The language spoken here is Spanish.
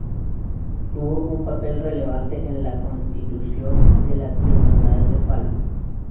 Tuvo un papel relevante en la constitución de las Irmandades da Fala.